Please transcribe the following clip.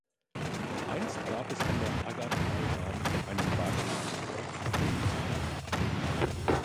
Einst gab es an der Aggertalbahn einen Bahnhof "Porz-Königsforst".